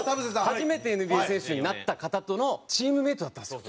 初めてＮＢＡ選手になった方とのチームメイトだったんですよ。